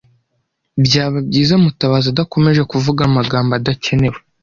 Byaba byiza Mutabazi adakomeje kuvuga amagambo adakenewe.